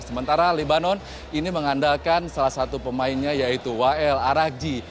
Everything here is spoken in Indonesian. sementara libanon ini mengandalkan salah satu pemainnya yaitu wael arakji